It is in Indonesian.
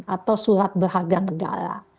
atau surat berharga negara